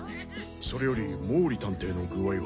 それより毛利探偵の具合は？